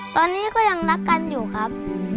ตอนนี้ก็ยังรักกันอยู่ครับ